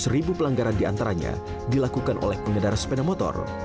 sembilan ratus ribu pelanggaran di antaranya dilakukan oleh pengendara sepeda motor